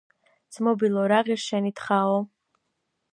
ძმობილო, რა ღირს შენი თხაო?